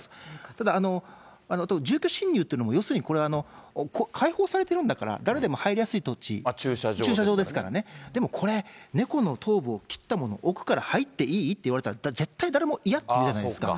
ただ住居侵入というのも、要するに開放されてるんだから、誰でも入りやすい土地、駐車場ですからね、でもこれ、猫の頭部を切ったものを置くから入っていい？って言われたら、絶対誰も嫌っていうじゃないですか。